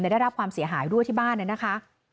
ได้รับความเสียหายด้วยที่บ้านนะคะ